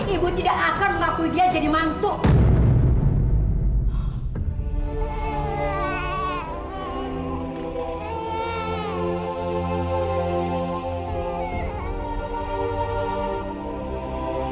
ibu tidak akan mengaku dia jadi mantuk